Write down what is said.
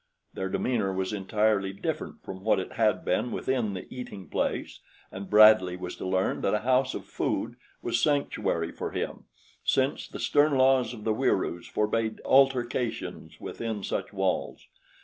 Their demeanor was entirely different from what it had been within the eating place and Bradley was to learn that a house of food was sanctuary for him, since the stern laws of the Wieroos forbade altercations within such walls.